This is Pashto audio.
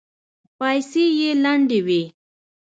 پايڅې يې لندې وې.